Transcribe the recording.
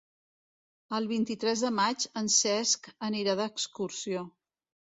El vint-i-tres de maig en Cesc anirà d'excursió.